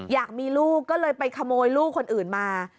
อยากมีลูกก็เลยไปขโมยลูกคนอื่นมา